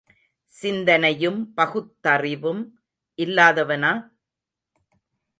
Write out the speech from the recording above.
சிந்தனையும் பகுத்தறிவும் இல்லாதவனா?